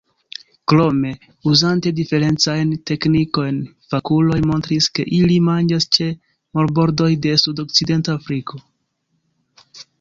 Krome, uzante diferencajn teknikojn, fakuloj montris, ke ili manĝas ĉe marbordoj de sudokcidenta Afriko.